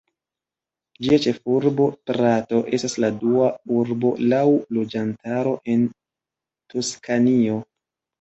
Ĝia ĉefurbo, Prato, estas la dua urbo laŭ loĝantaro en Toskanio.